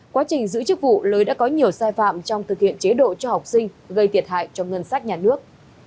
quá trình giữ chức vụ lưới đã có nhiều sai phạm trong thực hiện chế độ cho học sinh gây thiệt hại cho ngân sách nhà nước